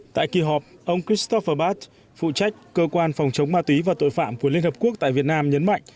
tại kỳ họp ông christopherbat phụ trách cơ quan phòng chống ma túy và tội phạm của liên hợp quốc tại việt nam nhấn mạnh